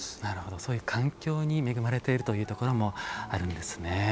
そういう環境に恵まれているというところもあるんですね。